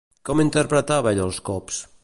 Com interpretava ell els cops?